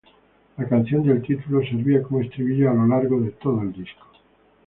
La canción del título servía como estribillo a lo largo de todo el disco.